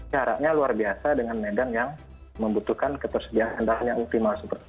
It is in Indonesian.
jaraknya luar biasa dengan medan yang membutuhkan ketersediaan bahan yang optimal